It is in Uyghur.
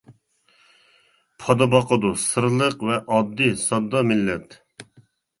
پادا باقىدۇ، سىرلىق ۋە ئاددىي-ساددا مىللەت.